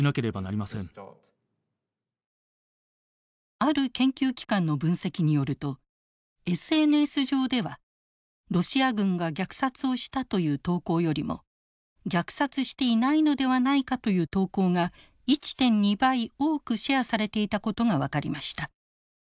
ある研究機関の分析によるとＳＮＳ上ではロシア軍が虐殺をしたという投稿よりも虐殺していないのではないかという投稿が１．２倍多くシェアされていたことが分かりました。